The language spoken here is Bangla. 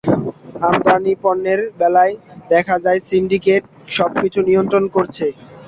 আমদানি পণ্যের বেলায় দেখা যায় সিন্ডিকেট সবকিছু নিয়ন্ত্রণ করছে।